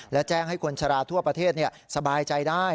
และแจ้งให้คนชะลาทั่วประเทศสบายใจได้